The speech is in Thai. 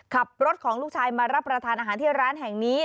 ขับรถของลูกชายมารับประทานอาหารที่ร้านแห่งนี้